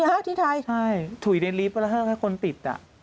ที่ไทยไหมครับใช่ถุยในลิฟต์แล้วให้คนติด